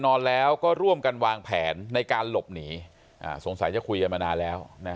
นอนแล้วก็ร่วมกันวางแผนในการหลบหนีสงสัยจะคุยกันมานานแล้ว